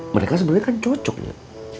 mereka sebenarnya kan cocoknya